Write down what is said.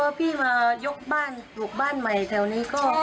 พอพี่มายกบ้านปลูกบ้านใหม่แถวนี้ก็